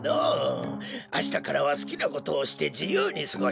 あしたからはすきなことをしてじゆうにすごしなさい。